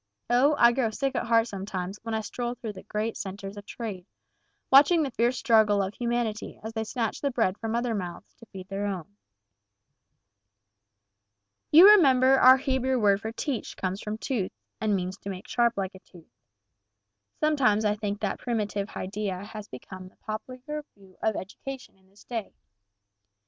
O, I grow sick at heart sometimes when I stroll through the great centers of trade, watching the fierce struggle of humanity as they snatch the bread from other mouths to feed their own. "You remember our Hebrew word for teach comes from tooth, and means to make sharp like a tooth. Sometimes I think that primitive idea has become the popular view of education in this day.